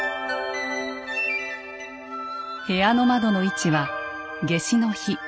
部屋の窓の位置は夏至の日